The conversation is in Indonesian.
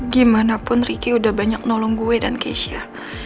gimanapun ricky udah banyak nolong gue dan keisha